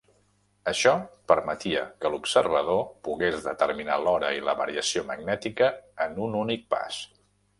Això permetia que l'observador pogués determinar l'hora i la variació magnètica en un únic pas.